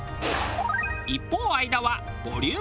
一方相田はボリュームたっぷり。